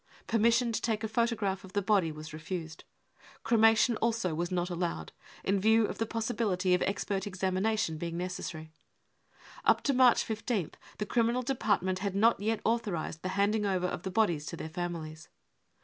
Permission to take a photograph of the body was refused. Cremation also was not allowed, in view of the possibility of expert examination being necessary. Up to March 15th the Criminal Department had not yet author ised the handing over of the bodies to their families.